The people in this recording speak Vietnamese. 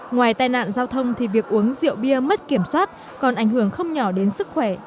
ngoài tai nạn giao thông thì việc uống rượu bia mất kiểm soát còn ảnh hưởng không nhỏ đến sức khỏe